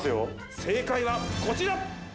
正解はこちら。